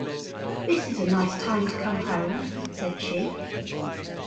“This is a nice time to come home,” said she.